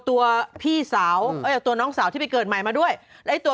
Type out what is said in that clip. ตัวพี่สาวเอ้ยตัวน้องสาวที่ไปเกิดใหม่มาด้วยแล้วไอ้ตัว